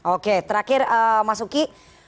oke terakhir mas uki